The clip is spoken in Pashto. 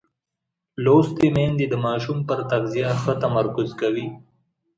لوستې میندې د ماشوم پر تغذیه ښه تمرکز کوي.